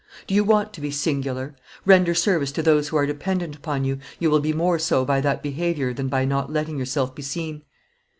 Do you want to be singular? Render service to those who are dependent upon you, you will be more so by that behavior than by not letting yourself be seen.